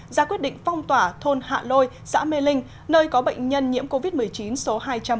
ra quyết định phong tỏa thôn hạ lôi xã mê linh nơi có bệnh nhân nhiễm covid một mươi chín số hai trăm bảy mươi